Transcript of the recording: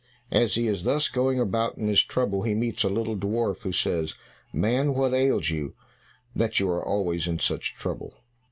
As he is thus going about in his trouble, he meets a little dwarf, who says, "Man, what ails you, that you are always in such trouble?"